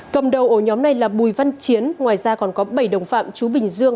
cầm đầu ổ nhóm này là bùi văn chiến ngoài ra còn có bảy đồng phạm chú bình dương